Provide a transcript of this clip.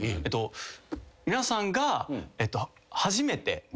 皆さんが。